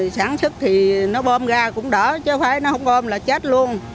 sáng sức thì nó bôm ra cũng đỡ chứ không bôm là chết luôn